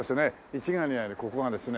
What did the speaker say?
市ヶ谷にあるここがですね